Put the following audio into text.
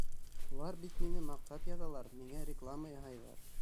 Улар бит мине маҡтап яҙалар, миңә реклама яһайҙар.